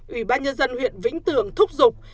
ủy ban nhân dân huyện vĩnh tường thúc giục